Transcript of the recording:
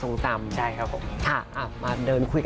คุณผู้ชมไม่เจนเลยค่ะถ้าลูกคุณออกมาได้มั้ยคะ